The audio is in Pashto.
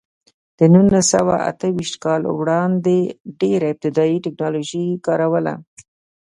د نولس سوه اته ویشت کال وړاندې ډېره ابتدايي ټکنالوژي کار وله.